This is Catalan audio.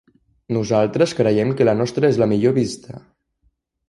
Nosaltres creiem que la nostra és la millor vista.